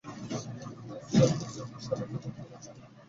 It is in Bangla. সেখানে ইউএস এয়ার ফোর্সের বিশালকায় লোকগুলো ছিল, হাত থেকে বাচ্চাকে তুলে নিতে।